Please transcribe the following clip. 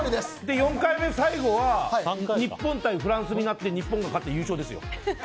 ４回目、最後は日本対フランスになって日本が勝って、優勝ですよ。